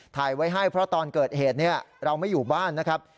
ถ่ายไว้ให้เพราะตอนเกิดเหตุเราไม่อยู่บ้านนะครับ